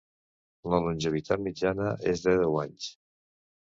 La longevitat mitjana és de deu anys.